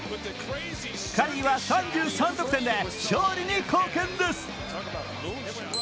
カリーは３３得点で勝利に貢献です。